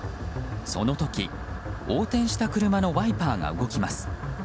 その時、横転した車のワイパーが動きます。